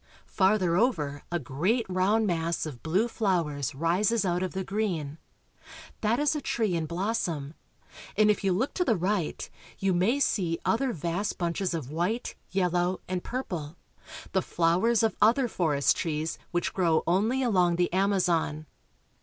Farther over a great round mass of blue flowers rises out of the green. That is a tree in blossom, and if you look to the right you may see other vast bunches of white, yellow, and purple, the flowers of other forest trees which grow only along the Amazon.